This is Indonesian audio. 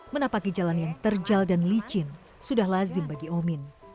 menapaki jalan yang terjal dan licin sudah lazim bagi omin